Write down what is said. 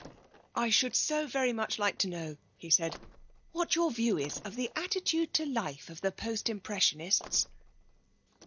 'I should so very much like to know,' he said, 'what your view is of the attitude to life of the Post Impressionists.'